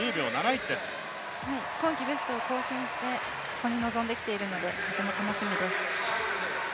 今季ベストを更新してここに臨んできているので楽しみです。